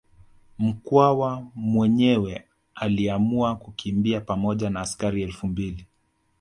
Mkwawa mwenyewe aliamua kukimbia pamoja na askari elfu mbili